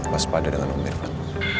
mas pada dengan om irfan